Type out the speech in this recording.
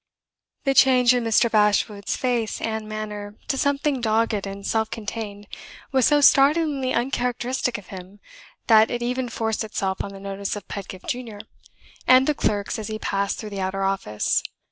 The change in Mr. Bashwood's face and manner to something dogged and self contained was so startlingly uncharacteristic of him, that it even forced itself on the notice of Pedgift Junior and the clerks as he passed through the outer office.